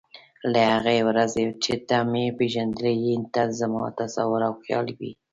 له هغې ورځې چې ته مې پېژندلی یې ته زما تصور او خیال وې.